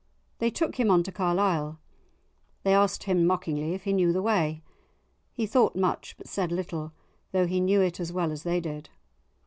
They took him on to Carlisle. They asked him mockingly if he knew the way. He thought much, but said little, though he knew it as well as they did.